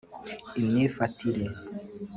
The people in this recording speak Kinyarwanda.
imyifatire